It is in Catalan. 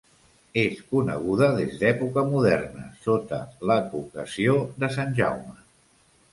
És coneguda des d'època moderna sota l'advocació de Sant Jaume.